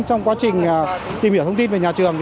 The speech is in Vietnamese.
trong quá trình tìm hiểu thông tin về nhà trường